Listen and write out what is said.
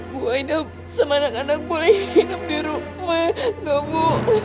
bu aida sama anak anak boleh hidup di rumah enggak bu